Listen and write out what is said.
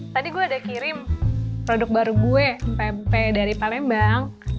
tadi gue ada kirim produk baru gue mp dari palembang